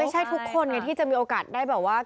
ไม่ใช่ทุกคนที่จะมีโอกาสได้แบบว่า